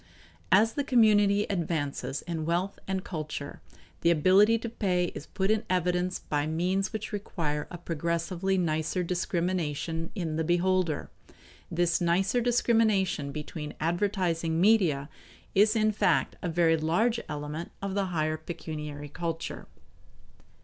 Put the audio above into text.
As the community advances in wealth and culture, the ability to pay is put in evidence by means which require a progressively nicer discrimination in the beholder. This nicer discrimination between advertising media is in fact a very large element of the higher pecuniary culture.